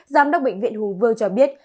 giám đốc bệnh viện hù vương cho biết